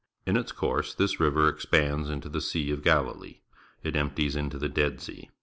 In its course this ri \'er expands into the Sea of Galilee. It empties into the Dead Sea.